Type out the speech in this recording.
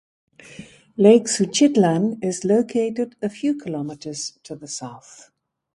Lake Suchitlan is located a few kilometers to the South.